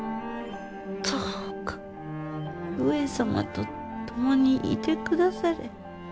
どうか上様と共にいて下され。